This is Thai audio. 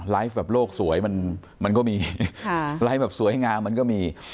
แบบโลกสวยมันก็มีไลฟ์แบบสวยงามมันก็มี